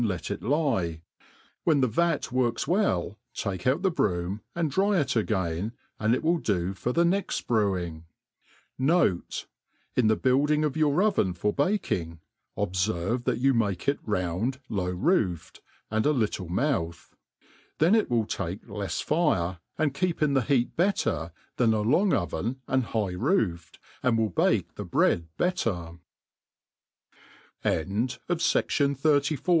t it lie; when the vat works well, take out the brooo, and dry it agaio^ and it will do for the next brewing. Note, In the building of your oven for bakings obfeive that you make it round, low roofed, and a litde mouth ; then it will take lefs fire, and keep in the heat better than a long ovea and high roofed, an